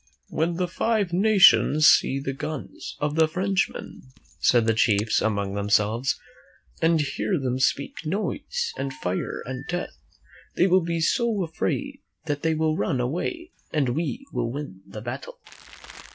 "When the Five Nations seethe guns of the Frenchmen," said the chiefs among themselves, "and hear them speak noise and fire and death, they will be so afraid that they will run away and we will win the battle."